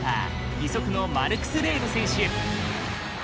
義足のマルクス・レーム選手。